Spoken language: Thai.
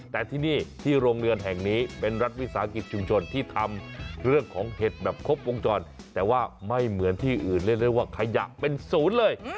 แต่ที่นี่ที่โรงเรือนแห่งนี้เป็นรัฐวิสาหกิจชุมชนที่ทำเรื่องของเห็ดแบบครบวงจรแต่ว่าไม่เหมือนที่อื่นเรียกได้ว่าขยะเป็นศูนย์เลย